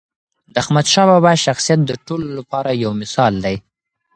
د احمدشاه بابا شخصیت د ټولو لپاره یو مثال دی.